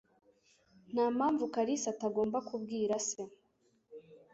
Ntampamvu Kalisa atagomba kubwira se.